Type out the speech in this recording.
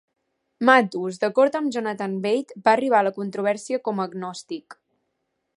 Matus, d"acord amb Jonathan Bate, va arribar a la controvèrsia com agnòstic.